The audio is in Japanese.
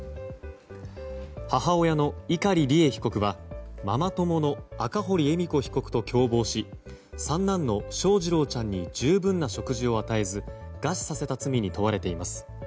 母親の碇利恵被告はママ友の赤堀恵美子被告と共謀し三男の翔士郎ちゃんに十分な食事を与えず餓死させた罪に問われています。